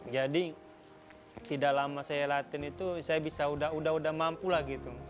jadi tidak lama saya latihan itu saya bisa udah mampu lah gitu